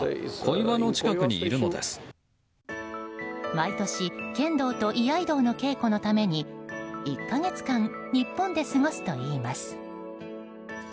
毎年、剣道と居合道の稽古のために１か月間日本で過ごすといいます。